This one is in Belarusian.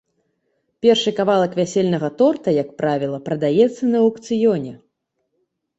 Першы кавалак вясельнага торта, як правіла, прадаецца на аўкцыёне.